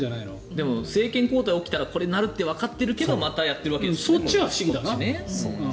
でも、政権交代が起きたらこれなるってわかってるけどまたやっているわけですからね。